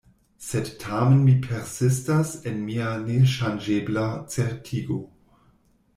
Sed tamen mi persistas en mia neŝanĝebla certigo.